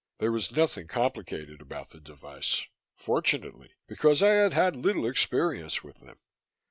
There was nothing complicated about the device fortunately, because I had had little experience with them.